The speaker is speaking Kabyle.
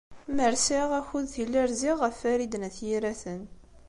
Mer sɛiɣ akud, tili rziɣ ɣef Farid n At Yiraten.